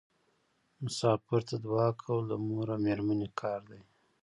مسافر ته دعا کول د مور او میرمنې کار دی.